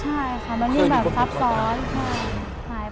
มันยิ่งแบบทำซ้อน